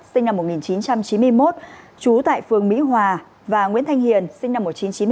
sinh năm một nghìn chín trăm chín mươi một trú tại phường mỹ hòa và nguyễn thanh hiền sinh năm một nghìn chín trăm chín mươi